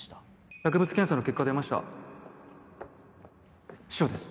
薬物検査の結果出ましたシロです